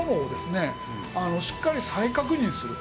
しっかり再確認する。